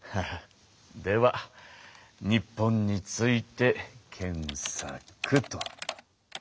では日本について検さく。